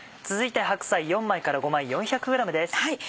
続いて白菜４枚から５枚４００ｇです。